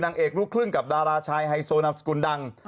นางเอกลูกครึ่งกับดาราชายไฮโซนามสกุลดัง